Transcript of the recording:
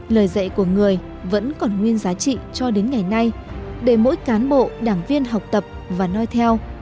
lời dạy của người vẫn còn nguyên giá trị cho đến ngày nay để mỗi cán bộ đảng viên học tập và nói theo